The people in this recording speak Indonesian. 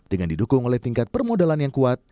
dengan didukung oleh tingkat permodalan yang kuat